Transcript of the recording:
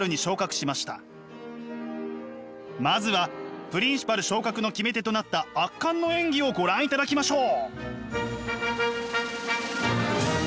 まずはプリンシパル昇格の決め手となった圧巻の演技をご覧いただきましょう！